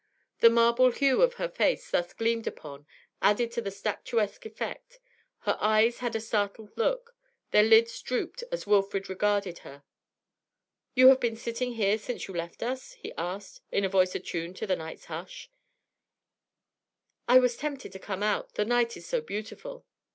The marble hue of her face, thus gleamed upon, added to the statuesque effect; her eyes had a startled look, their lids drooped as Wilfrid regarded her. 'You have been sitting here since you left us?' he asked, in a voice attuned to the night's hush. 'I was tempted to come out; the night is so beautiful.'